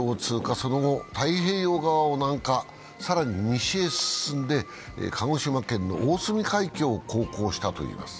その後、太平洋側を南下、更に西へ進んで、鹿児島県の大隅海峡を航行したといいます。